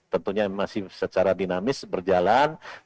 tentunya masih secara dinamis berjalan